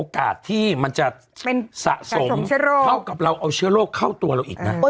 เข้ากับเราเอาเชื้อโรคเข้าตัวเราอีกนะ